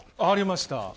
ありました。